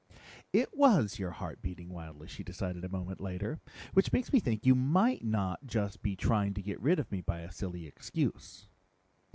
"It was your heart beating wildly," she decided a moment later. "Which makes me think you might not just be trying to get rid of me by a silly excuse."